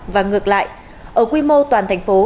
và ngược lại ở quy mô toàn thành phố